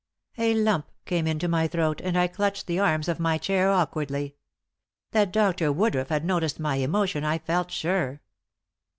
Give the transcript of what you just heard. A lump came into my throat and I clutched the arms of my chair awkwardly. That Dr. Woodruff had noticed my emotion, I felt sure.